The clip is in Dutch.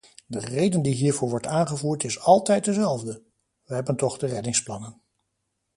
De reden die hiervoor wordt aangevoerd is altijd dezelfde: we hebben toch de reddingsplannen.